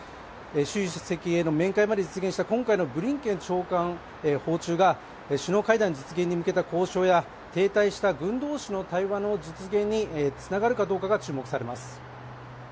習主席への面会まで実現した今回のブリンケン長官訪中が首脳会談実現に向けた交渉や停滞した軍同士の対話の再開実現につながるかどうかが注目されます。